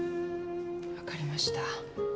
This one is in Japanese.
分かりました。